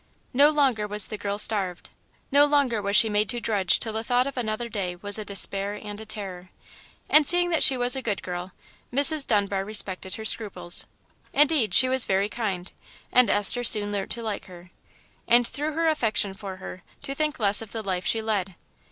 No longer was the girl starved, no longer was she made to drudge till the thought of another day was a despair and a terror. And seeing that she was a good girl, Mrs. Dunbar respected her scruples. Indeed, she was very kind, and Esther soon learnt to like her, and, through her affection for her, to think less of the life she led.